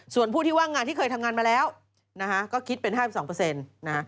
ส่วนผู้ที่ว่างงานที่เคยทำงานมาแล้วก็คิดเป็น๕๒นะฮะ